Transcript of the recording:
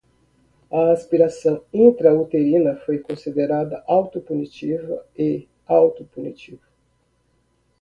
A aspiração intrauterina foi considerada autopunitiva e autopunitivo